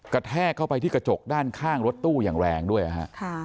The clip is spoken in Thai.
แทกเข้าไปที่กระจกด้านข้างรถตู้อย่างแรงด้วยนะฮะ